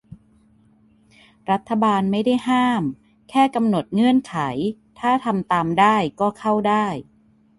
รัฐบาล "ไม่ได้ห้าม" แค่กำหนดเงื่อนไข ถ้าทำตามได้ก็เข้าได้